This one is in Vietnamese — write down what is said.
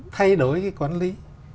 thay đổi cái quản lý